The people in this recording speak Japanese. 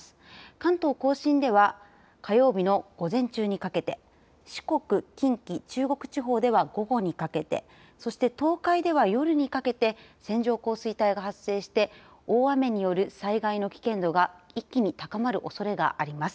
関東甲信では火曜日の午前中にかけて、四国、近畿、中国地方では午後にかけて、そして東海では夜にかけて線状降水帯が発生して大雨による災害の危険度が一気に高まるおそれがあります。